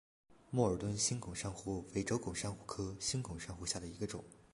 默尔敦星孔珊瑚为轴孔珊瑚科星孔珊瑚下的一个种。